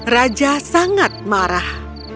raja sangat marah